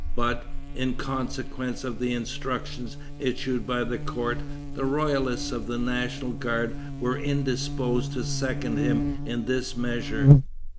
But, in consequence of the instructions issued by the court, the royalists of the National Guard were indisposed to second him in this measure.